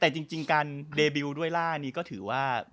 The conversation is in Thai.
แต่จริงการเดบิลด้วยล่านี้ก็ถือว่า